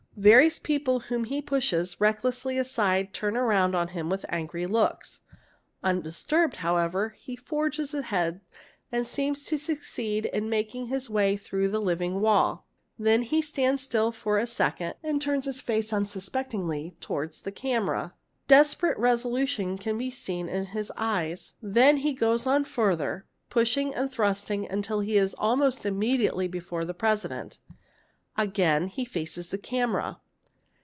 Various people whom he pushes reck lessly aside turn round on him with angry looks. Undisturbed, however, he forges ahead and seems to succeed in making his way through the living wall. Then he stands still for a second and turns his face un suspectingly towards the camera. Desperate resolution can be seen in 'his eyes. Then he goes on further, pushing and thrusting, until he is almost immediately before the President. Again he faces the camera.